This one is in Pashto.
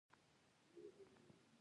د کابل شاهانو دوره پیل شوه